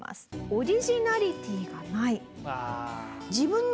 「オリジナリティがない」